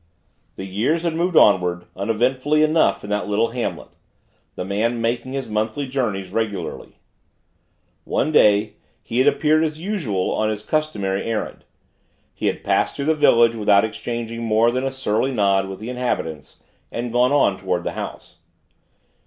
The years had moved onward, uneventfully enough, in that little hamlet; the man making his monthly journeys, regularly. One day, he had appeared as usual on his customary errand. He had passed through the village without exchanging more than a surly nod with the inhabitants and gone on toward the House.